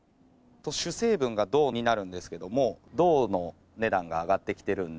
主成分が銅になるんですけども、銅の値段が上がってきてるんで。